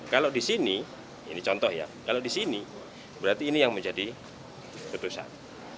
kalau di sini ini contoh ya kalau di sini berarti ini yang menjadi keputusan